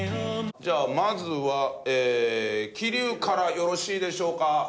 じゃあまずは桐生からよろしいでしょうか？